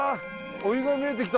お湯が見えてきた！